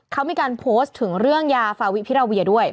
เขามีการโพสต์ถึงเรื่องยาฟาวิพิราเวียด้วย